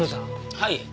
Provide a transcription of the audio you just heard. はい。